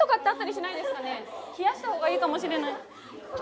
冷やしたほうがいいかもしれない。